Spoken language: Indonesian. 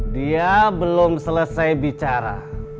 dia belum selesai bicara